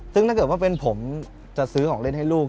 ซึ่งถ้าเกิดว่าเป็นผมจะซื้อของเล่นให้ลูก